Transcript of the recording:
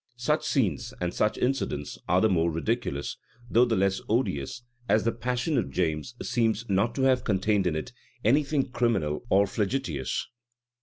Such scenes, and such incidents, are the more ridiculous, though the less odious, as the passion of James seems not to have contained in it any thing criminal or flagitious.